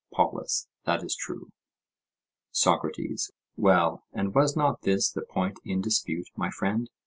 POLUS: That is true. SOCRATES: Well, and was not this the point in dispute, my friend?